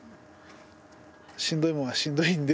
しんどいもんはしんどいんで。